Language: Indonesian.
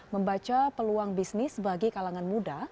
membaca peluang bisnis bagi kalangan muda